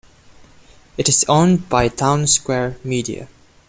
It is owned by Townsquare Media.